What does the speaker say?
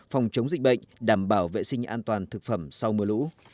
phòng chống dịch bệnh đảm bảo vệ sinh an toàn thực phẩm sau mưa lũ